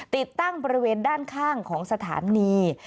ติดตั้งบริเวณด้านข้างของสถานี